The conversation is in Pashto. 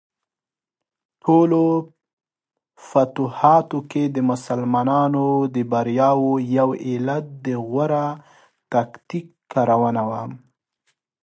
ټولو فتوحاتو کې د مسلمانانو د بریاوو یو علت د غوره تکتیک کارونه وه.